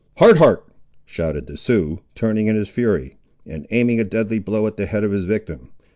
"Hard Heart!" shouted the Sioux, turning in his fury, and aiming a deadly blow at the head of his victim.